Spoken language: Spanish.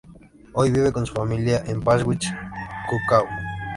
Hoy vive con su familia en Panschwitz-Kuckau.